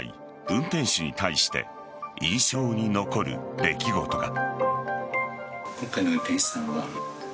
運転手に対して印象に残る出来事が。